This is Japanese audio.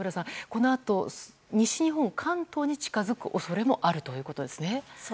このあと西日本、関東に近づく恐れもあるということですね。